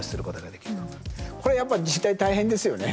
これやっぱ自治体大変ですよね。